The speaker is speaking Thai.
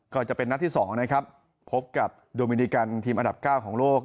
ก็จะเป็นนัดที่๒นะครับพบกับโดมินิกันทีมอันดับ๙ของโลก